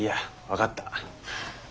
分かった。